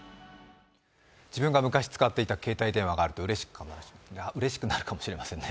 自分が昔使っていた携帯電話があるとうれしくなるかもしれませんね。